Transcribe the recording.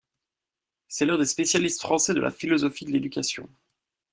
C'est l'un des spécialistes français de la philosophie de l'éducation.